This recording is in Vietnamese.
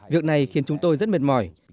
việc này khiến chúng tôi rất mệt mỏi